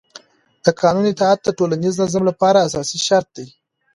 د قانون اطاعت د ټولنیز نظم لپاره اساسي شرط دی